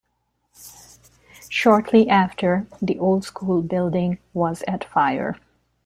Shortly after, the old school building was at fire.